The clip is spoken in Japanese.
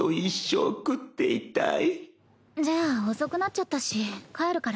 じゃあ遅くなっちゃったし帰るから。